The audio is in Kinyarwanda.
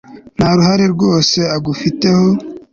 nta ruhare rwose agufiteho